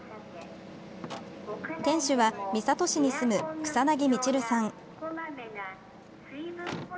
店主は三郷市に住む草薙みちるさん。